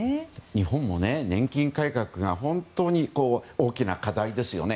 日本も年金改革が本当に大きな課題ですよね。